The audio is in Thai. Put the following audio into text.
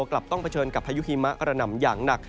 กลับต้องเผชิญกับพายุหิมะกระหน่ำอย่างหนัก